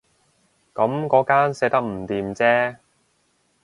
噉嗰間寫得唔掂啫